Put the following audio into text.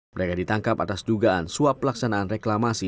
mereka ditangkap atas dugaan suap pelaksanaan reklamasi